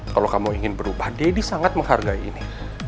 kalau kamu ingin berubah deddy sangat menghargai ini